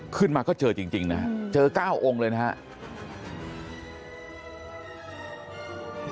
ขึ้นมาก็เจอจริงนะฮะเจอ๙องค์เลยนะครับ